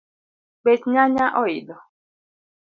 Bech nyanya oidho